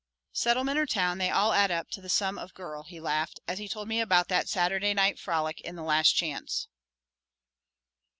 "Settlement or Town, they all add up to the sum of girl," he laughed, as he told me about that Saturday night frolic in the Last Chance.